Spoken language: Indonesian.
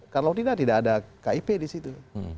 karena kalau tidak tidak ada kip di situ